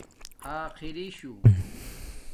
آخری شُݸ